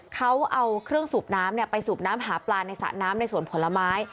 เขาเอาเครื่องสูบน้ำไปสูบน้ำหาปลาในสระน้ำในสวนผลไม้